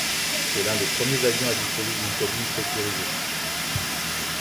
C'est l'un des premiers avions à disposer d'une cabine pressurisée.